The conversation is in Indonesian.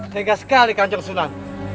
tega sekali kanjeng sunan